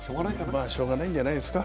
まあ、しょうがないんじゃないですか。